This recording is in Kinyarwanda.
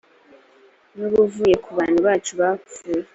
n ubuvuye ku bantu bacu bapfuye